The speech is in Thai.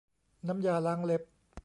น้ำยาล้างเล็บ